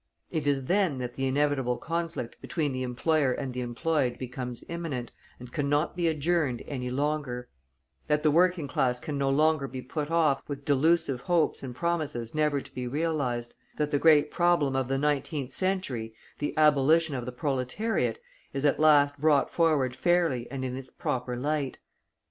It is then that the inevitable conflict between the employer and the employed becomes imminent, and cannot be adjourned any longer; that the working class can no longer be put off with delusive hopes and promises never to be realized; that the great problem of the nineteenth century, the abolition of the proletariat, is at last brought forward fairly and in its proper light.